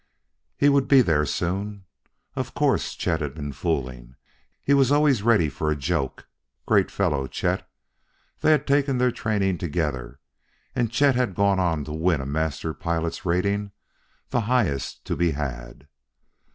He would be there soon.... Of course Chet had been fooling; he was always ready for a joke.... Great fellow, Chet! They had taken their training together, and Chet had gone on to win a master pilot's rating, the highest to be had....